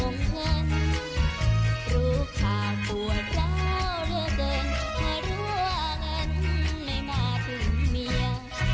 เงินลูกค้ากลัวแล้วเรื่องเงินถ้ารัวเงินไม่มาถึงเมีย